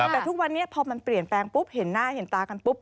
แต่ทุกวันนี้พอมันเปลี่ยนแปลงปุ๊บเห็นหน้าเห็นตากันปุ๊บ